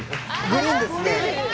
グリーンですね。